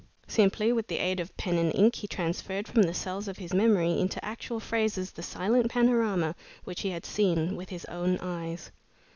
Simply with the aid of pen and ink he transferred from the cells of his memory into actual phrases the silent panorama which he had seen with his own eyes.